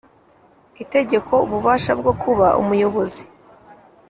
itegeko ububasha bwo kuba Umuyobozi